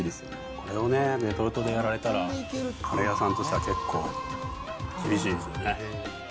これをね、レトルトでやられたら、カレー屋さんとしては結構、厳しいですよね。